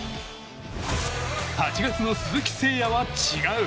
８月の鈴木誠也は違う。